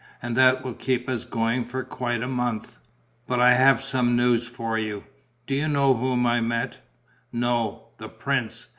And that will keep us going for quite a month. But I have some news for you. Do you know whom I met?" "No." "The prince."